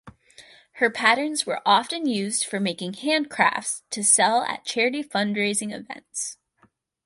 Her patterns were often used for making handcrafts to sell at charity fundraising events.